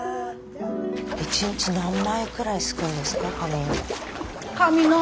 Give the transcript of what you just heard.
一日何枚くらいすくんですか紙を？